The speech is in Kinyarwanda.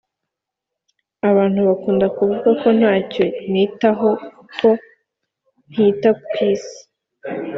Abantu bakunda kuvuga ko ntacyo nitaho kuko ntita kw’isi